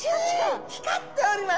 光っております。